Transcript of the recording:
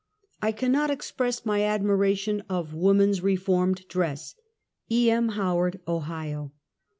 I cannot express my admiration of woman's re formed dress. E. M. Howard, Ohio.